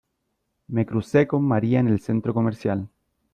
Me crucé con María en el centro comercial